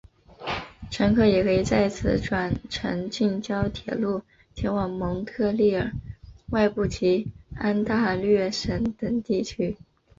乘客也可以在此转乘近郊铁路前往蒙特利尔外部及安大略省等地区。